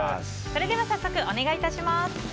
それでは早速お願い致します。